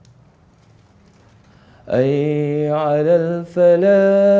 di tunjik warnanya